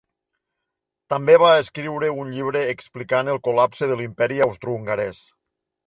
També va escriure un llibre explicant el col·lapse de l'Imperi Austrohongarès.